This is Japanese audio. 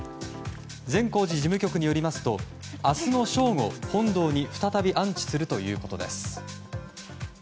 善光寺事務局によりますと明日の正午、本堂に再び安置するということです。